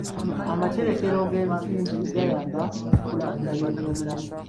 Amaterekero g'ensimbi gayamba mu kukulaakulanya eby'obulamu.